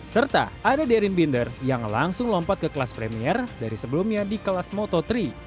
serta ada derin binder yang langsung lompat ke kelas premier dari sebelumnya di kelas moto tiga